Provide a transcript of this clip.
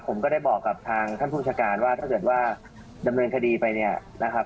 ผมก็ได้บอกกับทางท่านภูมิชาการว่าถ้าเกิดว่าดำเนินคดีไปเนี่ยนะครับ